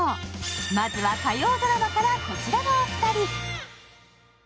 まずは火曜ドラマから、こちらのお二人。